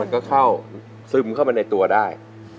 มันก็เข้าสึมเข้าไปในตัวได้